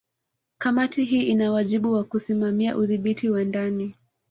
Kamati hii ina wajibu wa kusimamia udhibiti wa ndani